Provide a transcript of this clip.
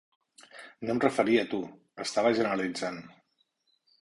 No em referia a tu, estava generalitzant.